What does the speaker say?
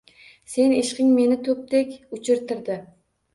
Seni ishqing meni to‘pdek uchirtirdi